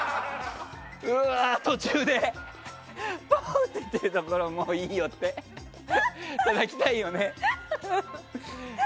うわ、途中でフォー！って言ってるところをもういいよ！ってたたきたいよね。